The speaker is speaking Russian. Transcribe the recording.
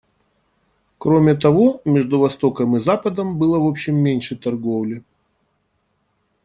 Кроме того, между Востоком и Западом было в общем меньше торговли.